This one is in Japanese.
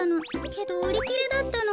けどうりきれだったの。